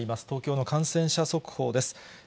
東京の感染者速報です。